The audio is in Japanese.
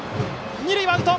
二塁はアウト！